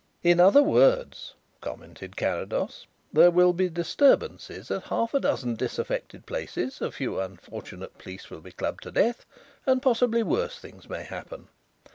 "In other words," commented Carrados, "there will be disturbances at half a dozen disaffected places, a few unfortunate police will be clubbed to death, and possibly worse things may happen.